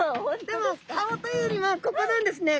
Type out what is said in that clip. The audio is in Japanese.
でも顔というよりはここなんですね。